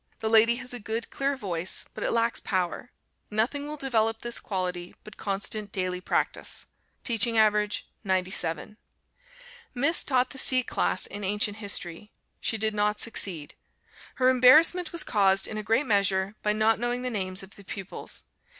The lady has a good clear voice, but it lacks power; nothing will develop this quality but constant daily practice. Teaching average 97. Miss taught the C class in Ancient History. She did not succeed. Her embarrassment was caused in a great measure by not knowing the names of the pupils.